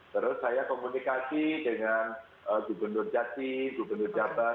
terus saya komunikasi dengan gubernur jati gubernur jabar